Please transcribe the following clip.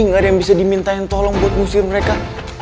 nggak ada yang bisa dimintain tolong buat ngusir mereka